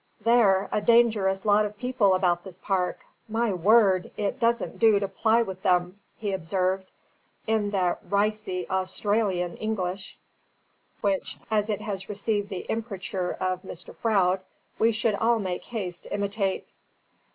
"They're a dyngerous lot of people about this park. My word! it doesn't do to ply with them!" he observed, in that RYCY AUSTRYLIAN English, which (as it has received the imprimatur of Mr. Froude) we should all make haste to imitate.